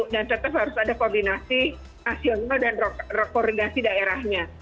dan tetap harus ada kombinasi nasional dan koordinasi daerahnya